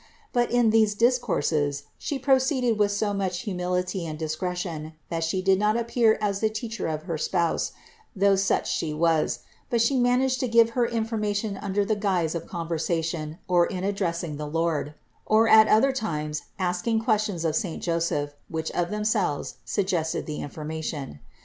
But in these discourses She pro ceeded with so much humility and discretion that She did not appear as the Teacher of her spouse, though such She was; but She managed to give her information under the guise of conversation or in addressing the Lord, or at other times asking questions of saint Joseph, which of themselves suggested the information.